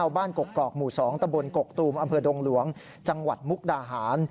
บ้านกกอกหมู่๒ตำบลกกตูมอำเภอดงหลวงจังหวัดมุกดาหาร